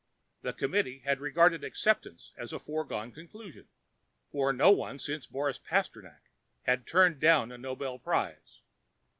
The Committee had regarded acceptance as a foregone conclusion, for no one since Boris Pasternak had turned down a Nobel Prize.